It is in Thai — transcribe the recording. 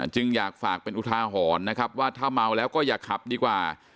จึงอยากฝากเป็นอุทาหรณ์นะครับว่าถ้าเมาแล้วก็อย่าขับดีกว่า